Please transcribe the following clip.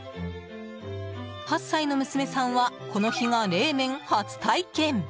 ８歳の娘さんはこの日が冷麺初体験。